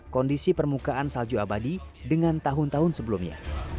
kondisi permukaan salju abadi dengan tahun tahun sebelumnya